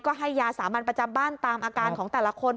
ก็ให้ยาสามัญประจำบ้านตามอาการของแต่ละคน